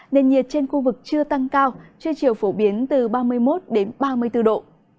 nền nhiệt trên khu vực chưa tăng cao trưa chiều phổ biến từ ba mươi một đến ba mươi bốn độ